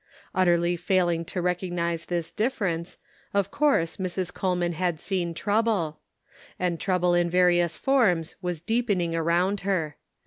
Utterly failing to recognize this difference, of course Mrs. Coleman had seen trouble. And trouble in various forms was deepening around her.